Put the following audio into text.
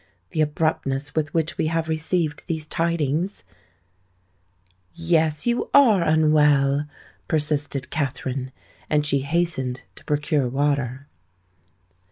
The abruptness with which we have received these tidings——" "Yes—you are unwell," persisted Katherine; and she hastened to procure water.